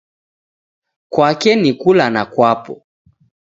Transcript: Kwake ni kula na kwapo